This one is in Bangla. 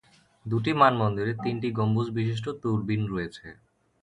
দুটি মানমন্দিরে তিনটি গম্বুজবিশিষ্ট দূরবিন রয়েছে।